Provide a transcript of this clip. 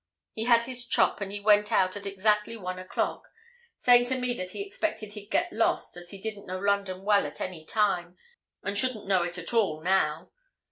He had his chop, and he went out at exactly one o'clock, saying to me that he expected he'd get lost, as he didn't know London well at any time, and shouldn't know it at all now.